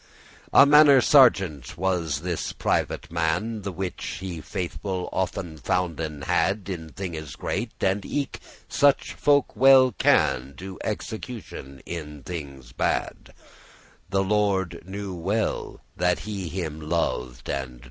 A *manner sergeant* was this private* man, *kind of squire* The which he faithful often founden had *discreet In thinges great, and eke such folk well can Do execution in thinges bad: The lord knew well, that he him loved and drad.